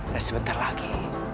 dan sebentar lagi